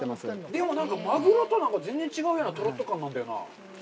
でも、なんかマグロと全然違うようなとろっと感なんだよな。